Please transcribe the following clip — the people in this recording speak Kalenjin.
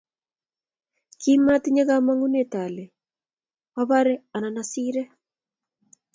Kimatinye kamangunet kole abore anan asire